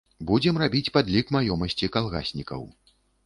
Будзем рабіць падлік маёмасці калгаснікаў.